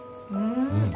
うん。